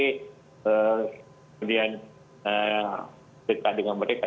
kemudian dekat dengan mereka